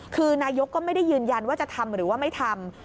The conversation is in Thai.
คือนายกก็ไม่ได้ยืนยันว่าจะทำหรือว่าไม่ทำ